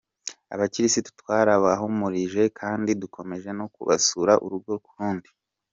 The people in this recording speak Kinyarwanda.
Abakirisitu twarabahumurije kandi dukomeje no kubasura urugo ku rundi.